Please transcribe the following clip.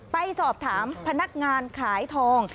ไปสอบถามพนักงานขายทอง